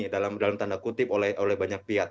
dalam tanda kutip oleh banyak pihak